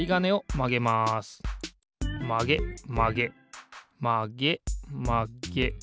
まげまげまげまげまげ。